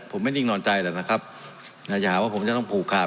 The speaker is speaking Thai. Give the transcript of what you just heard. ผมไม่นิ่งนอนใจแล้วนะครับอย่าหาว่าผมจะต้องผูกขาด